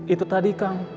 itu tadi kang